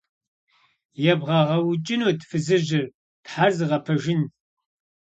- ЕзбгъэгъэукӀынут фызыжьыр, Тхьэр зыгъэпэжын?!